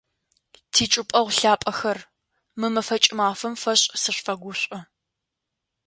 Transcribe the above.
Тичӏыпӏэгъу лъапӏэхэр, мы мэфэкӏ мафэм фэшӏ сышъуфэгушӏо!